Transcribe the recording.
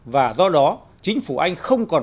và do đó chính phủ anh không còn